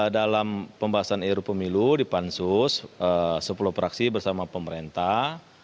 dalam pembahasan ru pemilu di pansus sepuluh praksi bersama pemerintah